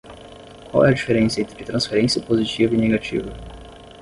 Qual é a diferença entre transferência positiva e negativa?